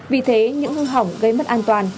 vì thế những hư hỏng gây mất an toàn